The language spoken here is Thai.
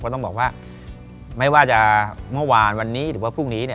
ต้องบอกว่าไม่ว่าจะเมื่อวานวันนี้หรือว่าพรุ่งนี้เนี่ย